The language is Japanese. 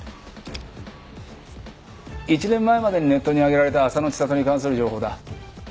１年前までにネットに上げられた浅野知里に関する情報だ。